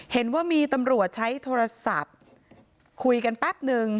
เห็นว่ามีตำรวจใช้โทรศัพท์คุยกันแป๊บนึง